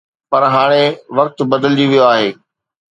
پر هاڻي وقت بدلجي ويو آهي.